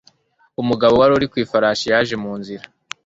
Umugabo wari ku ifarashi yaje mu nzira.